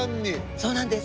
そうなんです。